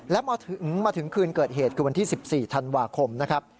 และมาถึงคืนเกิดเหตุคือวันที่๑๔ธันวาคมนะครับ